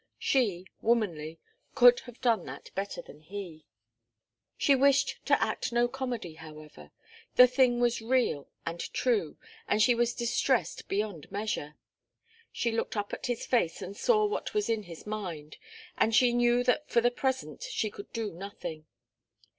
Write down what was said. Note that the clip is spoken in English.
She, womanly, could have done that better than he. She wished to act no comedy, however. The thing was real and true, and she was distressed beyond measure. She looked up at his face and saw what was in his mind, and she knew that for the present she could do nothing.